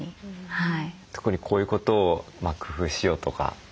はい。